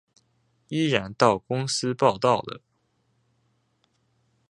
依然到公司報到了